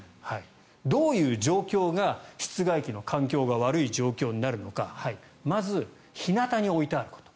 どういう状況が室外機の環境が悪い状況になるのかまず、日なたに置いてあること。